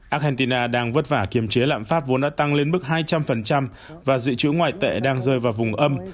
argentina đang vất vả kiềm chế lạm phát vốn đã tăng lên mức hai trăm linh và dự trữ ngoại tệ đang rơi vào vùng âm